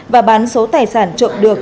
và bán số tài sản trộm được